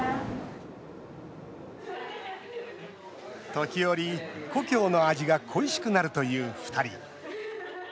時折、故郷の味が恋しくなるという２人。